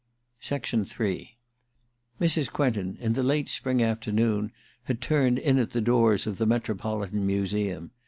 Ill Mrs. Quentin, in the late spring afternoon, had turned in at the doors of the Metropolitan Museum.